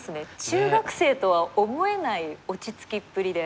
中学生とは思えない落ち着きっぷりで。